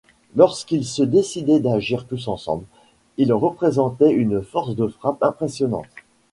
Lorsqu'ils se décidaient d'agir tous ensemble, ils représentaient une force de frappe impressionnante.